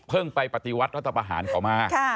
เพิ่งไปปฏิวัตรรัฐบาหารเขามา